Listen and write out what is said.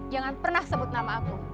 jangan pernah sebut nama aku